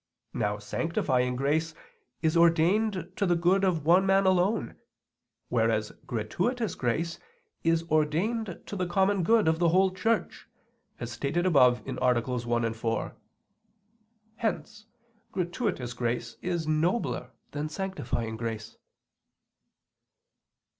Now sanctifying grace is ordained to the good of one man alone, whereas gratuitous grace is ordained to the common good of the whole Church, as stated above (AA. 1, 4). Hence gratuitous grace is nobler than sanctifying grace.